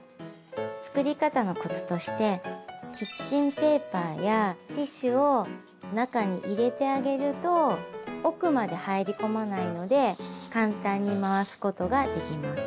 作り方のコツとしてキッチンペーパーやティッシュを中に入れてあげると奥まで入り込まないので簡単に回すことができます。